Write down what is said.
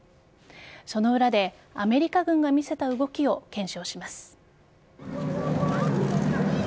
その裏でアメリカ軍が見せた動きを検証します。